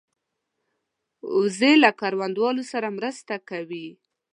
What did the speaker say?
وزې له کروندهوالو سره مرسته کوي